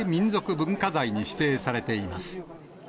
文化財に指定されています。